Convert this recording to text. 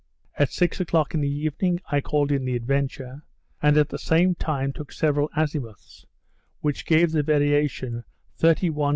At six o'clock in the evening, I called in the Adventure; and at the same time took several azimuths, which gave the variation 31° 28'.W.